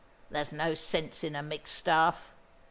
There's no sense in a mixed staff.